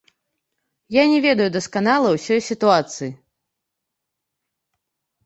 Я не ведаю дасканала ўсёй сітуацыі.